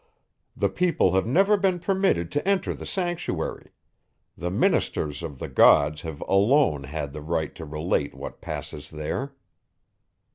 The people have never been permitted to enter the sanctuary; the ministers of the gods have alone had the right to relate what passes there.